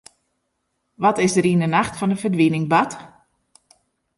Wat is der yn 'e nacht fan de ferdwining bard?